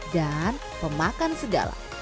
dan pemakan segala